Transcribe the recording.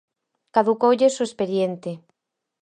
Caducoulles o expediente.